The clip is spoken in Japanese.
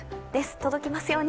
届きますように。